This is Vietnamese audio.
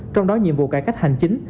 trong đó nhiệm vụ cải cách hành chính